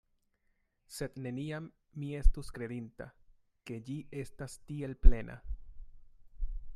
Sed neniam mi estus kredinta, ke ĝi estas tiel plena.